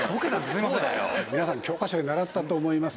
皆さん教科書で習ったと思います。